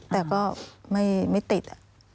แต่ก็ไม่ติด